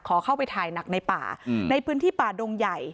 ขอเข้าไปถ่ายหนักในป่าในพื้นที่ป่าดงใหญ่